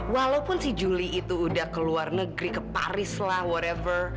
walaupun si juli itu udah ke luar negeri ke paris lah warever